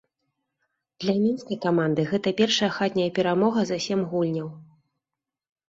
Для мінскай каманды гэта першая хатняя перамога за сем гульняў.